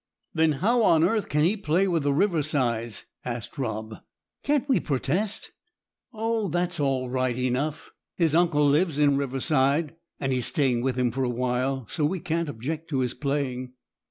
"Then how on earth can he play with the Riversides?" asked Rob. "Can't we protest?" "Oh, that's all right enough. His uncle lives in Riverside, and he is staying with him for a while, so we can't object to his playing."